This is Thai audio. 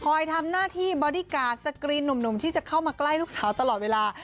ทำหน้าที่บอดี้การ์ดสกรีนหนุ่มที่จะเข้ามาใกล้ลูกสาวตลอดเวลา